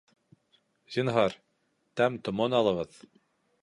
Зинһар, тәм-томон алығыҙ